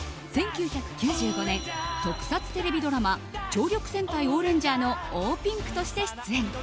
１９９５年、特撮テレビドラマ「超力戦隊オーレンジャー」のオーピンクとして出演。